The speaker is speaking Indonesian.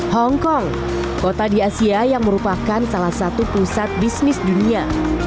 hongkong kota di asia yang merupakan salah satu pusat bisnis dunia